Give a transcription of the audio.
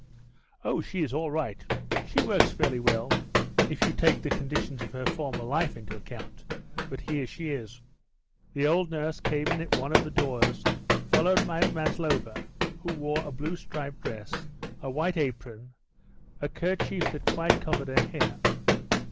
"Oh, she is all right. She works fairly well, if you the conditions of her former life into account. But here she is." The old nurse came in at one of the doors, followed by Maslova, who wore a blue striped dress, a white apron, a kerchief that quite covered her hair.